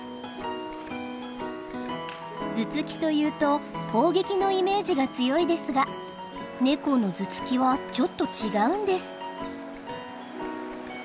頭突きというと攻撃のイメージが強いですがネコの頭突きはちょっと違うんです。